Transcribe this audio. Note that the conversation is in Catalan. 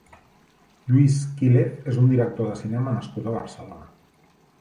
Lluís Quílez és un director de cinema nascut a Barcelona.